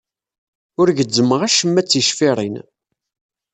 Ur gezzmeɣ acemma d ticfiṛin.